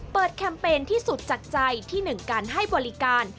แคมเปญที่สุดจากใจที่๑การให้บริการ